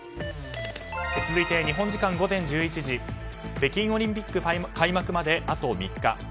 続いて日本時間午前１１時北京オリンピック開幕まであと３日。